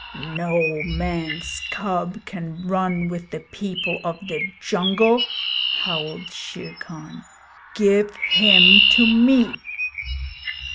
'No man's cub can run with the people of the jungle,' howled Shere Khan. 'Give him to me!'